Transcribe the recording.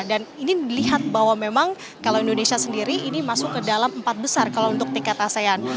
dan ini melihat bahwa memang kalau indonesia sendiri ini masuk ke dalam empat besar kalau untuk tingkat asean